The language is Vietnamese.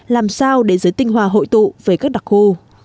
làm sao để giới tinh hoa hội tụ về các đặc khu